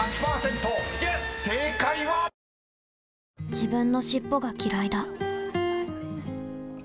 自分の尻尾がきらいだ